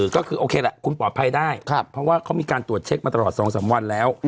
ก็คือโอเคแหละคุณปลอดภัยได้เพราะว่าเขามีการตรวจเช็คมาตลอด๒๓วันแล้ว